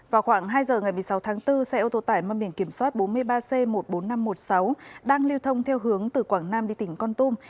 vào khoảng hai giờ ngày một mươi sáu tháng bốn xe ô tô tải mang biển kiểm soát bốn mươi ba c một mươi bốn nghìn năm trăm một mươi sáu đang lưu thông theo hướng từ quảng nam đi tỉnh con tum